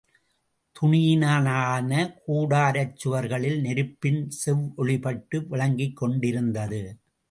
துணியினால் ஆன கூடாரச் சுவர்களில் நெருப்பின் செவ்வொளிப்பட்டு விளங்கிக்கொண்டிருந்தது.